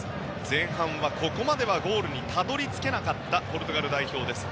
前半はここまでゴールにたどり着けなかったポルトガル代表です。